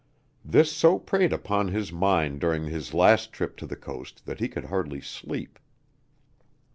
This so preyed upon his mind during his last trip to the coast that he could hardly sleep.